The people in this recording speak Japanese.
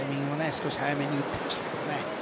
少し早めに打っていましたけど。